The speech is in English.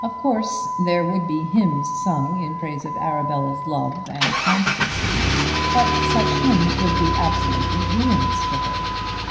Of course there would be hymns sung in praise of Arabella's love and constancy, but such hymns would be absolutely ruinous to her.